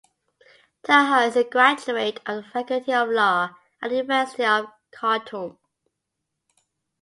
Taha is a graduate of the Faculty of Law at the University of Khartoum.